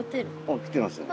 おっ来てます。